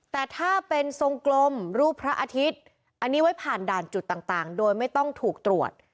แต่ถ้าเป็นทรงกลมรูปพระอาทิตย์อันนี้ไว้ผ่านด่านจุดต่างโดยไม่ต้องถูกตรวจ